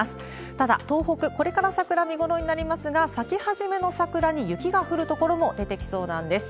ただ、東北、これから桜、見頃になりますが、咲き始めの桜に雪が降る所も出てきそうなんです。